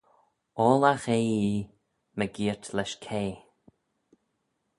Oallagh eh ee mygeayrt lesh kay.